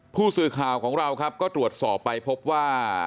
ผู้สื่อข่าวของเราครับก็ตรวจสอบไปพบว่า